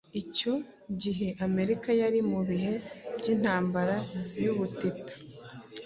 icyo gihe Amerika yari mu bihe by’intambara y’ubutita,